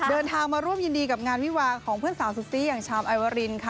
เดินทางมาร่วมยินดีกับงานวิวาของเพื่อนสาวสุดซี่อย่างชามไอวารินค่ะ